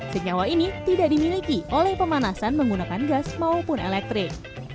senyawa ini tidak dimiliki oleh pemanasan menggunakan gas maupun elektrik